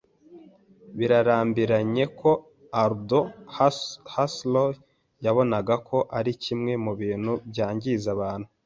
Birarambiranye ko Aldous Huxley yabonaga ko ari kimwe mu bintu byangiza abantu